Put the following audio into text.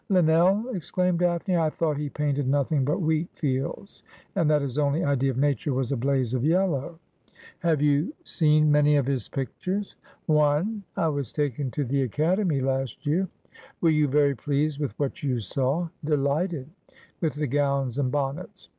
' Linnell !' exclaimed Daphne. ' I thought he painted nothing but wheat fields, and that his only idea of Nature was a blaze of yellow.' ' Have you seen many of his pictures ?'' One. I was taken to the Academy last year.' ' Were you very pleased with what you saw V ' Delighted — with the gowns and bonnets.